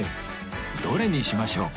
どれにしましょうか？